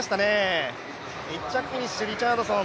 １着フィニッシュ、リチャードソン。